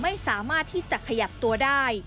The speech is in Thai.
ไม่สามารถที่จะขยับตัวได้